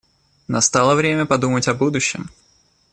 Настало время подумать о будущем.